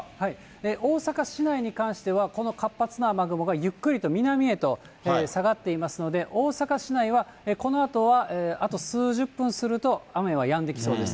大阪市内に関しては、この活発な雨雲がゆっくりと南へと下がっていますので、大阪市内は、このあとはあと数十分すると雨はやんできそうです。